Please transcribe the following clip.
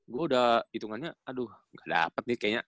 gua udah hitungannya aduh gak dapet nih kayaknya